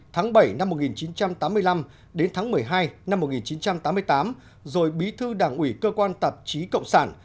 tháng bảy năm một nghìn chín trăm tám mươi năm đến tháng một mươi hai năm một nghìn chín trăm tám mươi tám rồi bí thư đảng ủy cơ quan tạp chí cộng sản